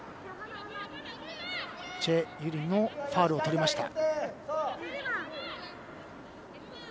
チェ・ユリのファウルをとりました。